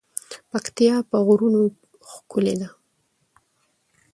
پکتيا په غرونو ښکلی ده.